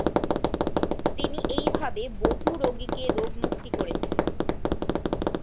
তিনি এইভাবে বহু রোগীকে রোগ মুক্তি করেছেন।